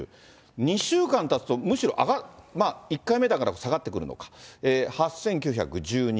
２週間たつとむしろ、１回目だから下がってくるのか、８９１２。